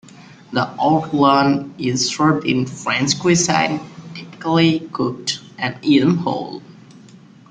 The ortolan is served in French cuisine, typically cooked and eaten whole.